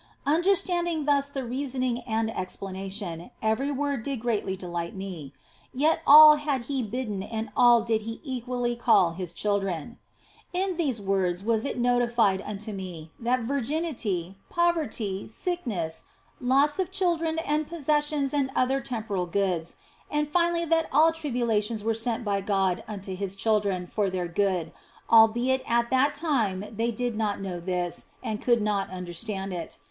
Understanding thus the reasoning and explanation, every word did greatly delight me. Yet all had He bidden and all did He equally call His children. In these words was it notified unto me that virginity, poverty, sickness, loss of children and possessions and other temporal goods, and finally that all tribulations were sent by God unto His children for their good, albeit at that time they did not know this and could not understand it.